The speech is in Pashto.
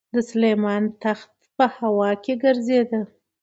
د سلیمان تخت به په هوا کې ګرځېده.